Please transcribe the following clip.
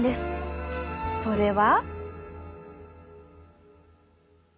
それは。